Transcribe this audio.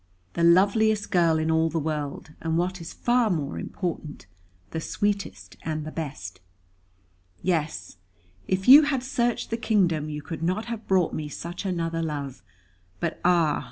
"The loveliest girl in all the world; and what is far more important, the sweetest, and the best." "Yes, if you had searched the kingdom, you could not have brought me such another love. But ah!